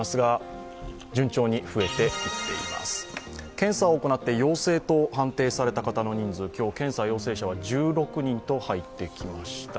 検査を行って陽性と判定された方の人数、今日、検査陽性者は１６人と入ってきました。